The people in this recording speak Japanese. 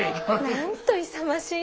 なんと勇ましい。